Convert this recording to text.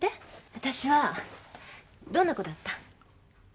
あたしはどんな子だった？